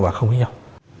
và không biết nhau